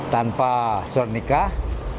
tanpa surat nikah